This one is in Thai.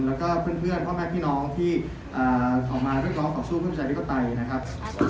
แล้วก็เพื่อนพ่อแม่พี่น้องที่ออกมาเรียกร้องต่อสู้เพื่อประชาธิปไตยนะครับ